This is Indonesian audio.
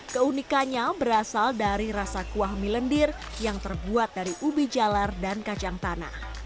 keunikannya berasal dari rasa kuah mie lendir yang terbuat dari ubi jalar dan kacang tanah